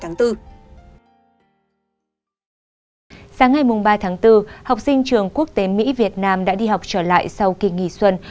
sáng ngày ba tháng bốn học sinh trường quốc tế mỹ việt nam đã đi học trở lại sau kỳ nghỉ xuân